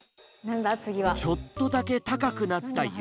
ちょっとだけ高くなった床。